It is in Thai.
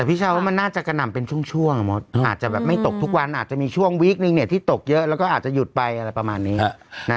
พี่เช้าว่ามันน่าจะกระหน่ำเป็นช่วงมดอาจจะแบบไม่ตกทุกวันอาจจะมีช่วงวีคนึงที่ตกเยอะแล้วก็อาจจะหยุดไปอะไรประมาณนี้